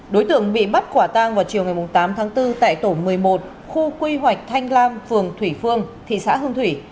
đối tượng bị bắt quả tang vào chiều ngày tám tháng bốn tại tổ một mươi một khu quy hoạch thanh lam phường thủy phương thị xã hương thủy